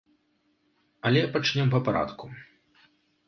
Але пачнём па парадку.